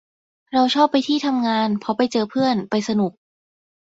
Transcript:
เราชอบไปที่ทำงาน เพราะไปเจอเพื่อน ไปสนุก